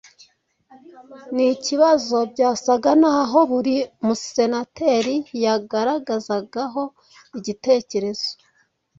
Ni ikibazo byasaga n’aho buri musenateri yagaragazagaho igitekerezo